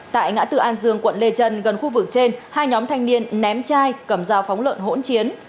tại ngã tư an dương quận lê trân gần khu vực trên hai nhóm thanh niên ném chai cầm dao phóng lợn hỗn chiến